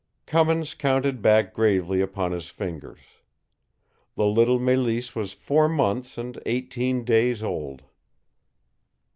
Cummins counted back gravely upon his fingers. The little Mélisse was four months and eighteen days old!